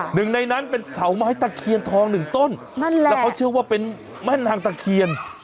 หนึ่งในนั้นเป็นเสาไม้ตะเคียนทองหนึ่งต้นนั่นแหละแล้วเขาเชื่อว่าเป็นแม่นางตะเคียน